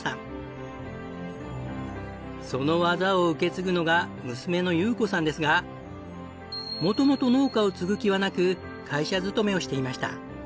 その技を受け継ぐのが娘の優子さんですが元々農家を継ぐ気はなく会社勤めをしていました。